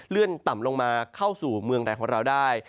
เลื่อนต่ำลงมาเข้าสู่เมืองแหลกของเราได้